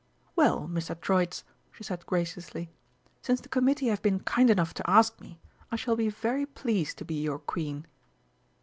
"Well, Mr. Troitz," she said graciously, "since the Committee have been kind enough to ask me, I shall be very pleased to be your Queen."